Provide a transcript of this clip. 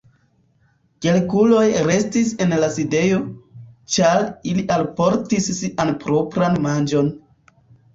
Kelkuloj restis en la sidejo, ĉar ili alportis sian propran manĝon.